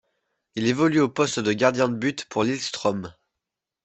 Il évolue au poste de gardien de but pour Lillestrøm.